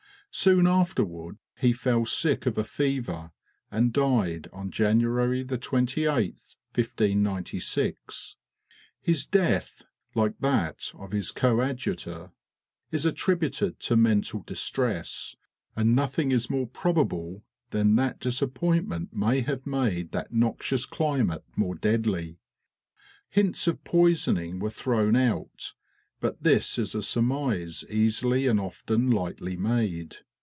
Soon afterward he fell sick of a fever, and died January 28, 1596. His death, like that of his coadjutor, is attributed to mental distress, and nothing is more probable than that disappointment may have made that noxious climate more deadly. Hints of poisoning were thrown out, but this is a surmise easily and often lightly made.